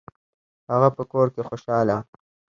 هغه په کور کې خوشحاله و.